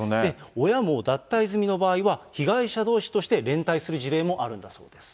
親も脱退済みの場合は、被害者どうしとして連帯する事例もあるんだそうです。